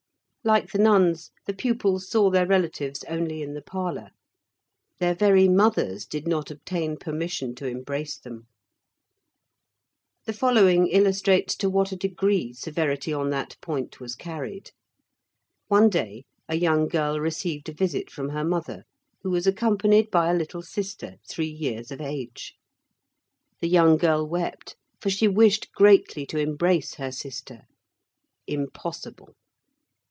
Like the nuns, the pupils saw their relatives only in the parlor. Their very mothers did not obtain permission to embrace them. The following illustrates to what a degree severity on that point was carried. One day a young girl received a visit from her mother, who was accompanied by a little sister three years of age. The young girl wept, for she wished greatly to embrace her sister. Impossible.